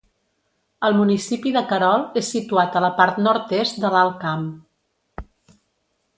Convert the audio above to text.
El municipi de Querol és situat a la part nord-est de l'Alt Camp.